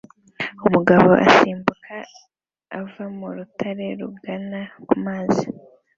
Umugabo asimbuka ava mu rutare rugana ku mazi